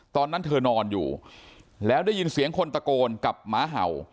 ตอนนั้นเธอนอนอยู่แล้วได้ยินเสียงคนตะโกนกับหมาเห่า